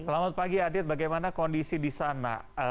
selamat pagi adit bagaimana kondisi di sana